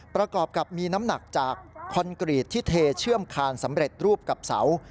ประกอบกับมีน้ำหนักจากคอนกรีตที่เทเชื่อมคานสำเร็จรูปกับเสา